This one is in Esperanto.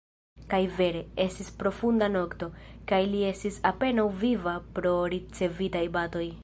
Kaj vere: estis profunda nokto, kaj li estis apenaŭ viva pro ricevitaj batoj.